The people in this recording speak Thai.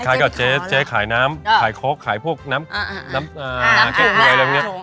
คล้ายกับเจ๊ขายน้ำขายโค๊คขายพวกน้ำเก้งค่อยแบบเนี้ย